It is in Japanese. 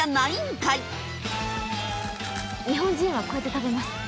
日本人はこうやって食べます。